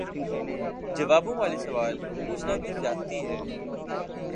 جوابوں والے سوال پوچھنا بھی زیادتی ہے